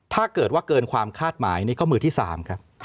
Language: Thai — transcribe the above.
ถ้าเกิดว่าเกินความคาดหมายนี่ก็มือที่๓ครับ